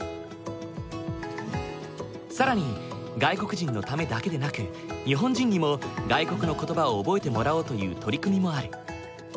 更に外国人のためだけでなく日本人にも外国の言葉を覚えてもらおうという取り組みもある。